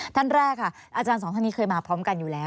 ท่านแรกค่ะอาจารย์สองท่านนี้เคยมาพร้อมกันอยู่แล้ว